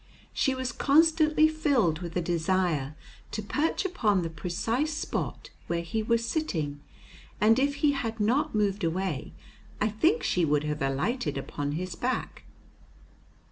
She was constantly filled with a desire to perch upon the precise spot where he was sitting, and if he had not moved away I think she would have alighted upon his back.